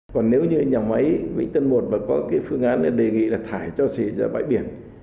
còn nếu như nhà máy vĩnh tân một mà có cái phương án để đề nghị là thải cho xỉ ra bãi biển